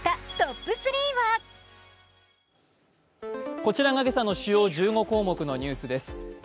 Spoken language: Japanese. こちらが今朝の主要１５項目のニュースです。